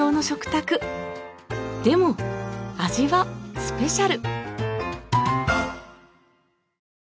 でも味はスペシャル！